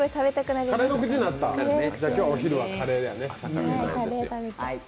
じゃあ、今日はお昼はカレーだよね。